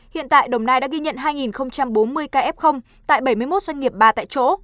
hiện tại đồng nai đã ghi nhận hai bốn mươi kf tại bảy mươi một doanh nghiệp ba tại chỗ